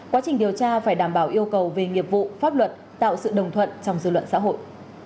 quá trình điều tra phải đảm bảo yêu cầu về nghiệp vụ pháp luật tạo sự đồng thuận trong dư luận xã hội